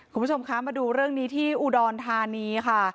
คุณผู้ชมคะมาดูเรื่องนี้ที่อุดรธานีค่ะ